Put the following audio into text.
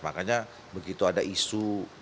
makanya begitu ada isu